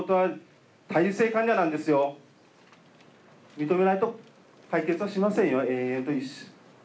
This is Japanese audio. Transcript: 認めないと解決はしませんよ永遠。